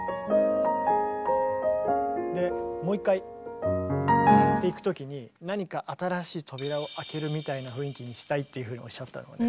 でもう一回っていくときに何か新しい扉を開けるみたいな雰囲気にしたいっていうふうにおっしゃったのがね